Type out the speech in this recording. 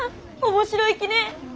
面白いきね！